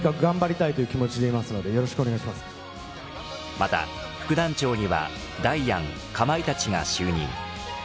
また、副団長にはダイアン、かまいたちが就任。